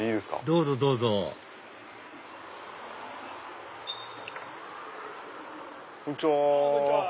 どうぞどうぞこんにちは。